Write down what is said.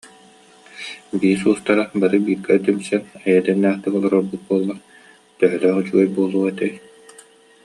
Биис уустара бары бииргэ түмсэн, эйэ дэмнээхтик олорорбут буоллар, төһөлөөх үчүгэй буолуо этэй